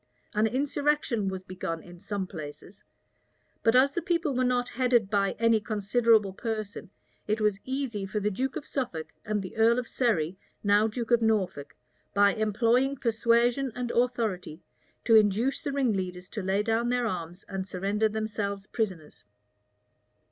An insurrection was begun in some places; but as the people were not headed by any considerable person, it was easy for the duke of Suffolk, and the earl of Surrey, now duke of Norfolk, by employing persuasion and authority, to induce the ringleaders to lay down their arms and surrender themselves prisoners.